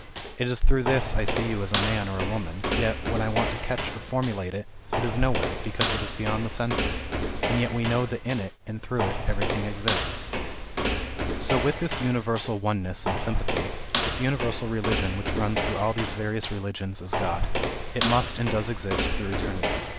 It is through this I see you as a man or a woman, yet, when I want to catch or formu late it, it is nowhere, because it is beyond the senses, and yet we know that in it, and through it, everything exists. 310 THE IDEAL OF A UNIVERSAL RELIGION. So with this universal one ness and sympathy, this universal religion which runs through all these various religions as God ; it must and does exist through eternity.